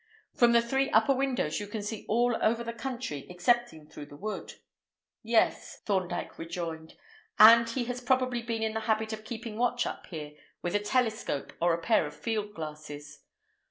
From the three upper windows you can see all over the country excepting through the wood." "Yes," Thorndyke rejoined, "and he has probably been in the habit of keeping watch up here with a telescope or a pair of field glasses.